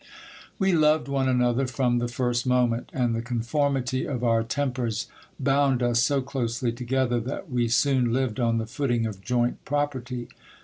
We loved one another from the first moment, and the conformity of our tempers bound us so closely together, that we soon lived on the footing of joint property.